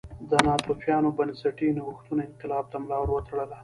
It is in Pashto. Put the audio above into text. د ناتوفیانو بنسټي نوښتونو انقلاب ته ملا ور وتړله